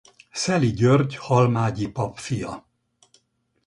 Szeli György halmágyi pap fia.